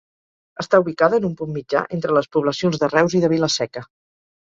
Està ubicada en un punt mitjà entre les poblacions de Reus i de Vila-seca.